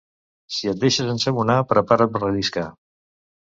Si et deixes ensabonar, prepara't per relliscar.